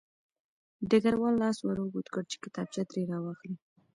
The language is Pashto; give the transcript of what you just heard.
ډګروال لاس ور اوږد کړ چې کتابچه ترې راواخلي